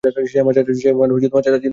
সে আমার চাচা ছিল।